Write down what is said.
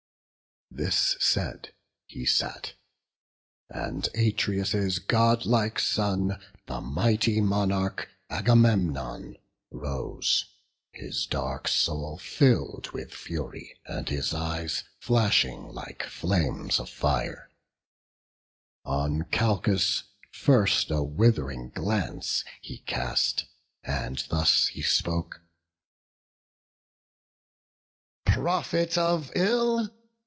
This said, he sat; and Atreus' godlike son, The mighty monarch, Agamemnon, rose, His dark soul fill'd with fury, and his eyes Flashing like flames of fire; on Calchas first A with'ring glance he cast, and thus he spoke; "Prophet of ill!